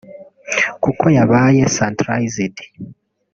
kuko yabaye centralised